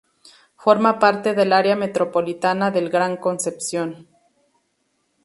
Forma parte del área metropolitana del Gran Concepción.